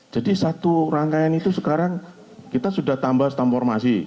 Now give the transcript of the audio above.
jadi satu rangkaian itu sekarang kita sudah tambah setampur masih